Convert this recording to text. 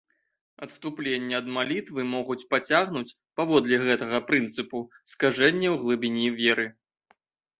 Адступленні ад малітвы могуць пацягнуць, паводле гэтага прынцыпу, скажэнні ў глыбіні веры.